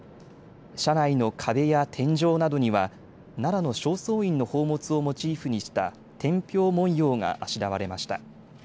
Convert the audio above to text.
車内の壁や天井などには奈良の正倉院の宝物をモチーフにした天平文様があしらわれました。